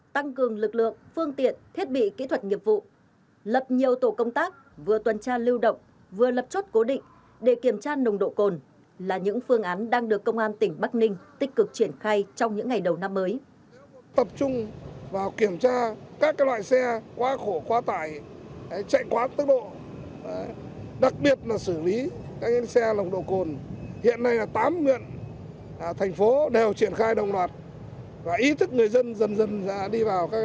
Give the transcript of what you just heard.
tăng cường lực lượng phương tiện thiết bị kỹ thuật nghiệp vụ lập nhiều tổ công tác vừa tuần tra lưu động vừa lập chốt cố định để kiểm tra nồng độ cồn là những phương án đang được công an tỉnh bắc ninh tích cực triển khai trong những ngày đầu năm mới